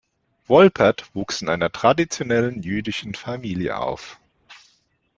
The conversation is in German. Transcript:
Wolpert wuchs in einer traditionellen jüdischen Familie auf.